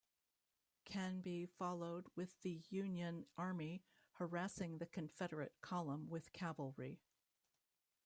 Canby followed with the Union army, harassing the Confederate column with cavalry.